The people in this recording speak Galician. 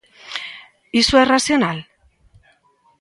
¿Iso é racional?